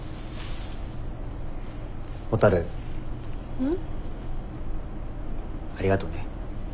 うん？ありがとね。